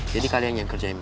jadi kalian yang kerjain